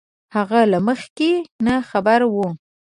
هغه له مخکې نه خبر وو